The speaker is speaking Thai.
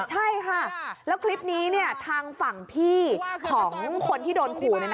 ใช่ค่ะแล้วคลิปนี้ทางฝั่งพี่ของคนที่โดนขู่